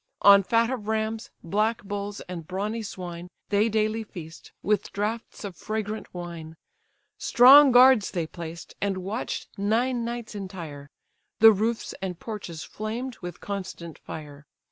On fat of rams, black bulls, and brawny swine, They daily feast, with draughts of fragrant wine; Strong guards they placed, and watch'd nine nights entire; The roofs and porches flamed with constant fire.